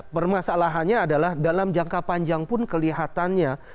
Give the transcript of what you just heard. permasalahannya adalah dalam jangka panjang pun kelihatannya